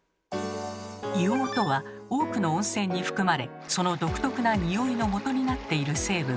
硫黄とは多くの温泉に含まれその独特なニオイのもとになっている成分。